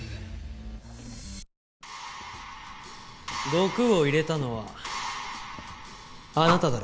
毒を入れたのはあなただろ。